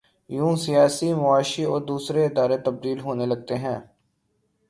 یوں سیاسی، معاشی اور دوسرے ادارے تبدیل ہونے لگتے ہیں۔